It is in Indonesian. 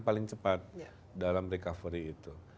paling cepat dalam recovery itu